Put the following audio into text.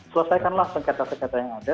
selesaikanlah sengketa sengketa yang ada